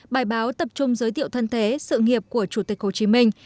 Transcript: bài báo tập trung giới thiệu thân thế sự nghiệp của chủ tịch hồ chí minh